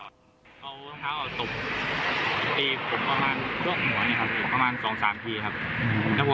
เขาตกตีผมประมาณ๒๓ทีครับ